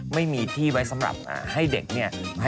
ไม่มีที่ไว้สำหรับให้เด็กเนี่ย